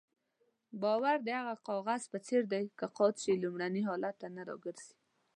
باور د کاغذ په څېر دی که قات شي لومړني حالت ته نه راګرځي.